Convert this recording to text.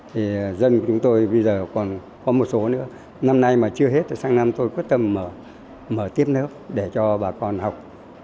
thì dân của chúng tôi bây giờ còn có một số nữa năm nay mà chưa hết thì sáng năm tôi quyết tâm mở tiếp nước để cho bà con học